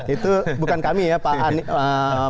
itu bukan kami ya pak anies